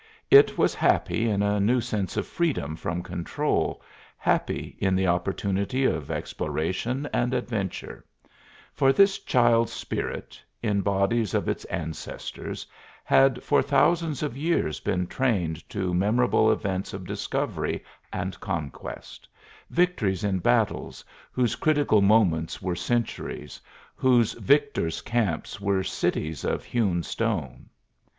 It was happy in a new sense of freedom from control, happy in the opportunity of exploration and adventure; for this child's spirit, in bodies of its ancestors, had for thousands of years been trained to memorable feats of discovery and conquest victories in battles whose critical moments were centuries, whose victors' camps were cities of hewn stone.